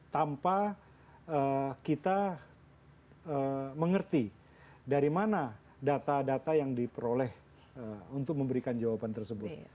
tanpa kita mengerti dari mana data data yang diperoleh untuk memberikan jawaban tersebut